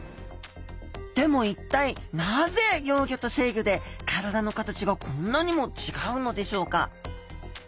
でも一体なぜ幼魚と成魚で体の形がこんなにも違うのでしょうか？